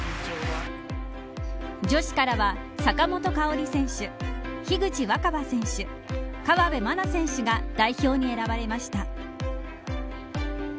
女子からは坂本花織選手樋口新葉選手河辺愛菜選手が代表に選ばれました。